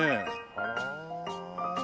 あら。